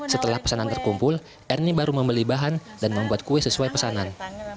setelah pesanan terkumpul ernie baru membeli bahan dan membuat kue sesuai pesanan